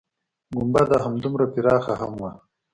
گنبده همدومره پراخه هم وه.